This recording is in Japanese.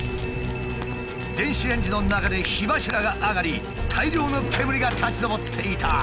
電子レンジの中で火柱が上がり大量の煙が立ち上っていた。